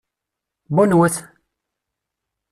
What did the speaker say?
N wanwa-t?